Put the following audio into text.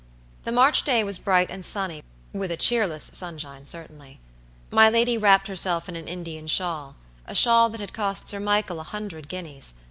The March day was bright and sunny, with a cheerless sunshine certainly. My lady wrapped herself in an Indian shawl; a shawl that had cost Sir Michael a hundred guineas.